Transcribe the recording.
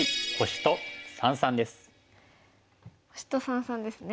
星と三々ですね。